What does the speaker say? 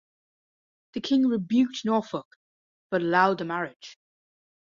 The King rebuked Norfolk, but allowed the marriage.